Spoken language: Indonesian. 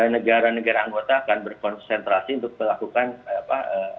negara negara anggota akan berkonsentrasi untuk melakukan apa